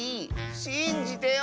しんじてよ！